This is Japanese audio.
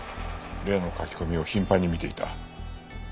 例の書き込みを頻繁に見ていた。